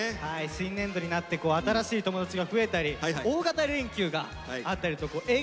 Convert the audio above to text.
新年度になって新しい友達が増えたり大型連休があったりと笑顔あふれる